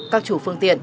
các chủ phương tiện